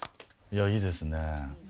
いやいいですねえ。